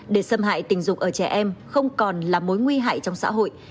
để xâm hại tình dục ở trẻ em không còn là mối nguy hại trong xã hội